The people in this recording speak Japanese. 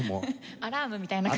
アラームみたいな感じ。